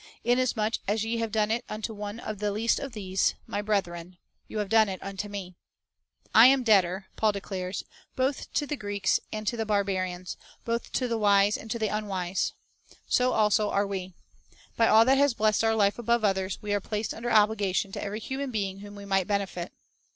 11 "Inasmuch as ye have done it unto one of the least of these My brethren, ye have done it unto Me." 3 "I am debtor," Paul declares, "both to the Greeks and to the barbarians*; both to the wise and to the unwise."* So also are we. By all that has blessed our life above others, we are placed under obligation to every human being whom we might benefit.